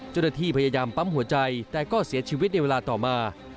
เจ้าหน้าที่พยายามปั๊มหัวใจแต่ก็เสียชีวิตในเวลาต่อมา